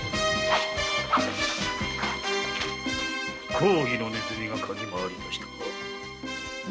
公儀のネズミがかぎまわりだしたな。